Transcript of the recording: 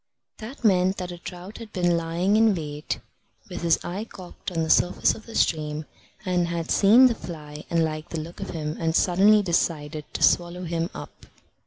That meant that a trout had been lying in wait, with his eye cocked on the surface of the stream, and had seen the fly, and liked the look of him, and suddenly decided to swallow him up.